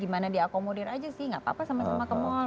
gimana diakomodir aja sih nggak apa apa sama sama ke mall